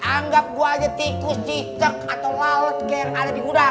anggap gua aja tikus cicek atau lalat kayak yang ada di gudang